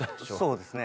そうですね。